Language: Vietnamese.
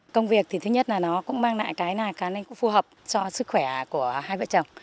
công việc thì thứ nhất là nó cũng mang lại cái này cái này cũng phù hợp cho sức khỏe của hai vợ chồng